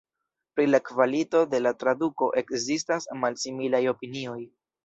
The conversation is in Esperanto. Pri la kvalito de la traduko ekzistas malsimilaj opinioj.